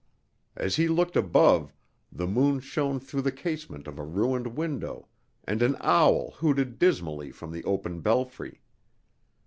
As he looked above, the moon shone through the casement of a ruined window, and an owl hooted dismally from the open belfry.